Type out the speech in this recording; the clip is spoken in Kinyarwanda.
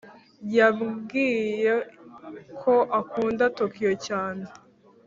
yambwiyeko akunda tokyo cyane